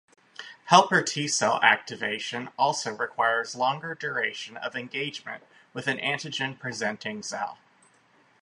Helper T cell activation also requires longer duration of engagement with an antigen-presenting cell.